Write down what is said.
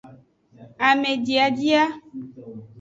Amediadia.